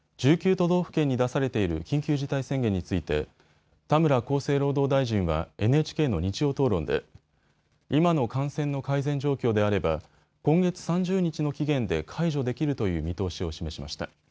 都道府県に出されている緊急事態宣言について田村厚生労働大臣はＮＨＫの日曜討論で今の感染の改善状況であれば今月３０日の期限で解除できるという見通しを示しました。